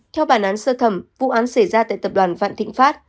theo bản án sơ thẩm vụ án xảy ra tại tập đoàn vạn thịnh pháp